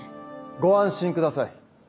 ご安心ください。